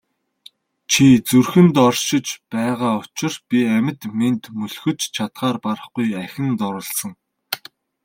Чи зүрхэнд оршиж байгаа учир би амьд мэнд мөлхөж чадахаар барахгүй ахин дурласан.